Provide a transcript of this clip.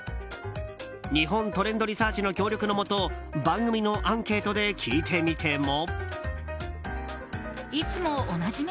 日本トレンドリサーチの協力のもと番組のアンケートで聞いてみても。